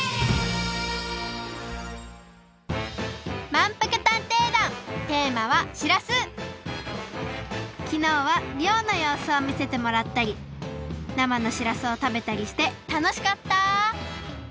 まんぷく探偵団テーマはきのうはりょうのようすをみせてもらったりなまのしらすを食べたりしてたのしかった！